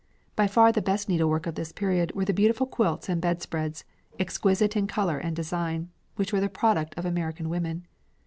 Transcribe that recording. By far the best needlework of this period were the beautiful quilts and bedspreads, exquisite in colour and design, which were the product of American women.